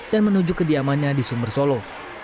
dan menuju kediamannya di sumber solo